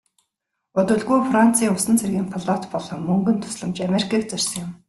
Удалгүй францын усан цэргийн флот болон мөнгөн тусламж америкийг зорьсон юм.